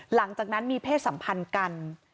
หลังจากนั้นมีเพศสัมพันธ์กัน